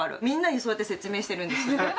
みんなにそうやって説明してるんです。